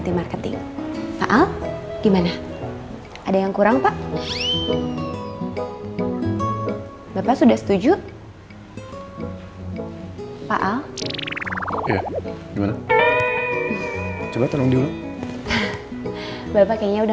setting pak gimana ada yang kurang pak bapak sudah setuju pak gimana coba tolong dulu bapaknya udah